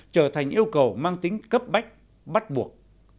trở thành yêu cầu mang tính cấp bách bắt buộc